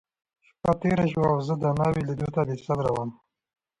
شپه تېره شوه، او زه د ناوې لیدو ته بېصبره وم.